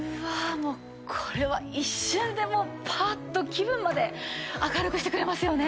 もうこれは一瞬でもうパアーッと気分まで明るくしてくれますよね。